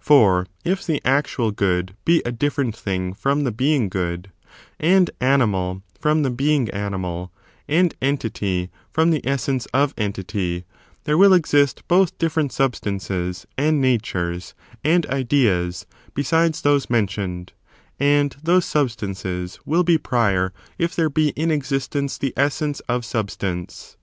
For if the actual good be a different thing from the being good, and animal from the being animal, and entity from the essence of entity, there will exist both different substances, and natures, and ideas, besides those mentioned; and those substances will be prior if there be in existence the essence of substance.